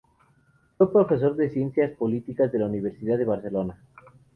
Es profesor de Ciencias Políticas de la Universidad de Barcelona.